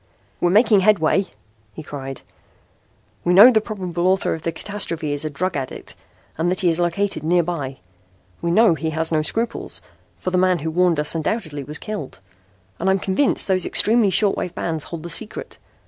"We're making headway," he cried. "We know the probable author of the catastrophe is a drug addict and that he is located nearby. We know he has no scruples, for the man who warned us undoubtedly was killed. And I'm convinced those extremely short wave bands hold the secret.